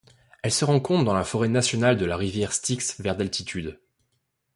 Elle se rencontre dans la forêt nationale de la rivière Styx vers d'altitude.